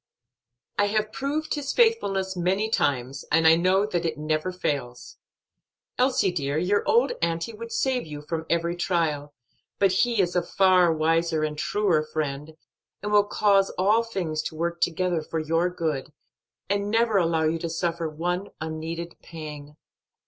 "I have proved His faithfulness many times, and I know that it never fails. Elsie, dear, your old auntie would save you from every trial, but He is a far wiser and truer friend, and will cause all things to work together for your good, and never allow you to suffer one unneeded pang."